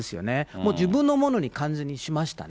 もう自分のものに完全にしましたね。